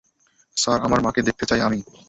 Sir, আমার মাকে দেখতে চাই আমি।